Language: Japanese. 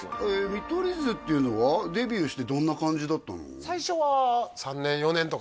見取り図っていうのはデビューしてどんな感じだったの？